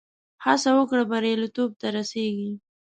هڅه وکړه، بریالیتوب ته رسېږې.